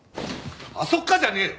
「あっそっか」じゃねえよ！